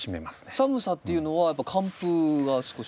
寒さっていうのはやっぱ寒風が少し？